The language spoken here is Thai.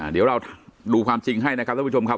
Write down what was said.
เดี๋ยวเราดูความจริงให้นะครับท่านผู้ชมครับ